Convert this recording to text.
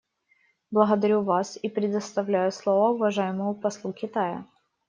Благодарю вас и предоставляю слово уважаемому послу Китая.